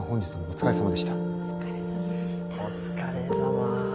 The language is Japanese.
お疲れさま。